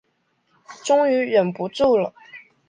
终于忍不住了